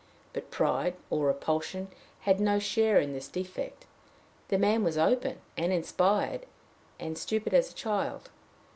But pride or repulsion had no share in this defect. The man was open and inspired, and stupid as a child.